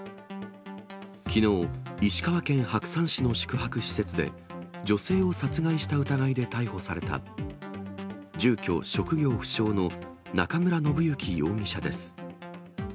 きのう、石川県白山市の宿泊施設で、女性を殺害した疑いで逮捕された、住居・職業不詳の中村信之容疑者です。